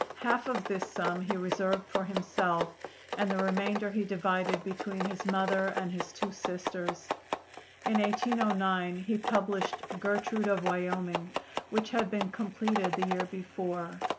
Half of this sum he reserved for himself and the remainder he divided between his mother and his two sisters. In 1809 he published 'Gertrude of Wyoming,' which had been completed the year before.